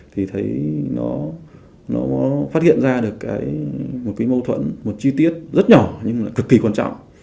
thì thấy nó phát hiện ra được một cái mâu thuẫn một chi tiết rất nhỏ nhưng là cực kỳ quan trọng